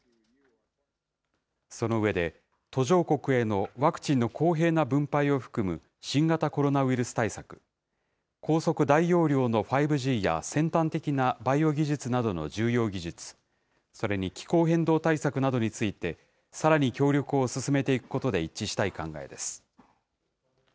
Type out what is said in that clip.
その上で、途上国へのワクチンの公平な分配を含む新型コロナウイルス対策、高速・大容量の５Ｇや、先端的なバイオ技術などの重要技術、それに気候変動対策などについて、さらに協力を進めていくことで一致したい考えです。